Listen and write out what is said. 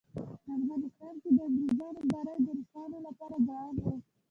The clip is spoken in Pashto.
په افغانستان کې د انګریزانو بری د روسانو لپاره ګران وو.